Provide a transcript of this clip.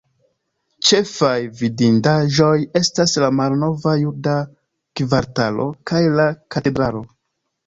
Ĉefaj vidindaĵoj estas la malnova juda kvartalo, kaj la Katedralo.